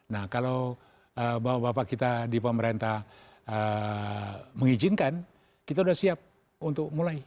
nah kalau bapak bapak kita di pemerintah mengizinkan kita sudah siap untuk mulai